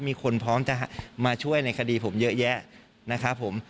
มีคนพร้อมจะมาช่วยในคดีผมเยอะแยะนะครับผม